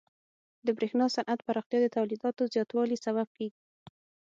د برېښنا صنعت پراختیا د تولیداتو زیاتوالي سبب کیږي.